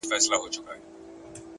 مهرباني د انسان تر ټولو نرم قوت دی!